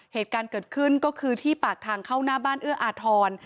เหตุการณ์เกิดขึ้นก็คือที่ปากทางเข้าหน้าบ้านเอื้ออาทร